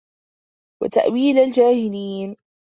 وَتَأْوِيلَ الْجَاهِلِينَ